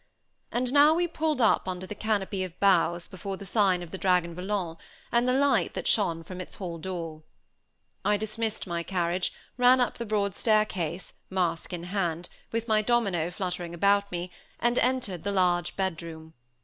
And now we pulled up under the canopy of boughs, before the sign of the Dragon Volant, and the light that shone from its hall door. I dismissed my carriage, ran up the broad stair case, mask in hand, with my domino fluttering about me, and entered the large bedroom.